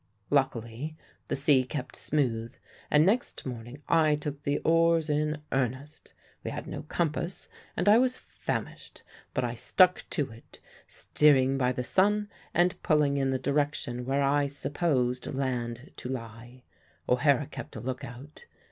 "Luckily the sea kept smooth, and next morning I took the oars in earnest. We had no compass, and I was famished; but I stuck to it, steering by the sun and pulling in the direction where I supposed land to lie. O'Hara kept a look out.